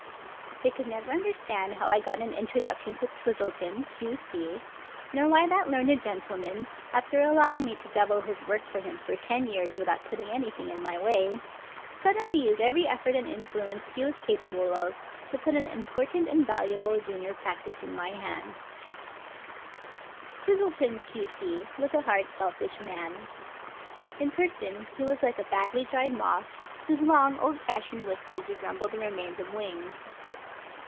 They could never understand how I got an introduction to Twistleton, ^.C, nor why that learned gentleman, after allowing me to devil his work for him for ten years without putting anything in my way, suddenly used every effort and influ ence he was capable of to put an important and valuable junior practice in my hands. 293 English Mystery Stories Twistleton, Q.C., was a hard, selfish man. In person he was like a badly dried moth, whose long, old fashioned whiskers resembled the remains of wings.